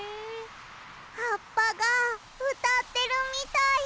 はっぱがうたってるみたい。